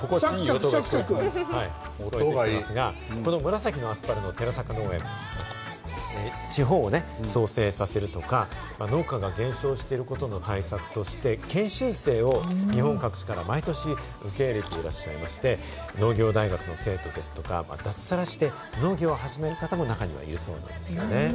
音がいいですが、この紫アスパラの寺坂農園、地方を創生させるとか、農家が減少していることの対策として、研修生を日本各地から毎年受け入れていらっしゃいまして、農業大学の生徒ですとか脱サラして農業を始める方も中にはいるようですね。